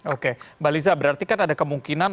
oke mbak liza berarti kan ada kemungkinan